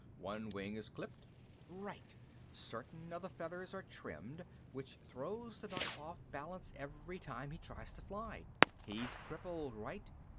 "One wing is clipped." "Right. Certain of the feathers are trimmed, which throws the duck off balance every time he tries to fly. He's crippled, right?